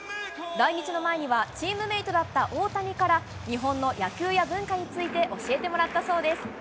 来日の前には、チームメートだった大谷から、日本の野球や文化について教えてもらったそうです。